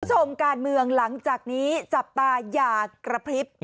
คุณผู้ชมการเมืองหลังจากนี้จับตาอย่ากระพริบ